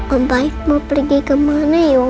oh baik mau pergi kemana ya